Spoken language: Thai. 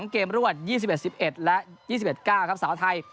เกมรวด๒๑๑๑และ๒๑๙ครับสาวไทย